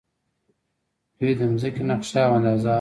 دوی د ځمکې نقشه او اندازه اخلي.